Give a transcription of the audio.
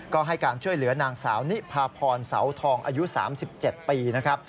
ก็ให้การช่วยเหลือนางสาวนิพาพรเสาทองอายุ๓๗ปีนะครับ